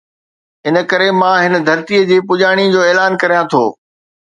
ان ڪري مان هن ڌرڻي جي پڄاڻي جو اعلان ڪريان ٿو.